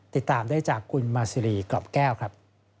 ติดตามได้จากคุณมาซิรีกรอบแก้วครับ